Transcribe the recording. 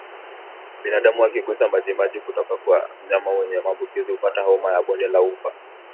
Binadamu akigusa majimaji kutoka kwa mnyama mwenye maambukizi hupata homa ya bonde la ufa